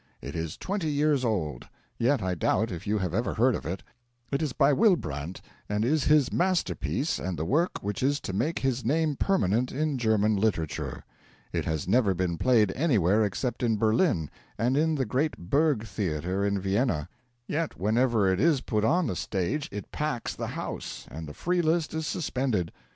It is twenty years old; yet I doubt if you have ever heard of it. It is by Wilbrandt, and is his masterpiece and the work which is to make his name permanent in German literature. It has never been played anywhere except in Berlin and in the great Burg Theatre in Vienna. Yet whenever it is put on the stage it packs the house, and the free list is suspended.